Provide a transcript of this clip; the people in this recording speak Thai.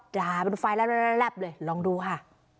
ด่าเป็นไฟแรปลองดูค่ะ